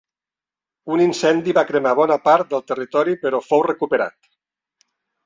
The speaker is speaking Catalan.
Un incendi va cremar bona part del territori però fou recuperat.